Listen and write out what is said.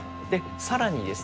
更にですね